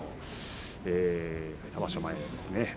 ２場所前ですね。